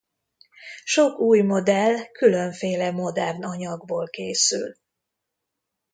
Sok új modell különféle modern anyagból készül.